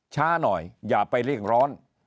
ช้าหน่อยอย่าไปเร่งร้อน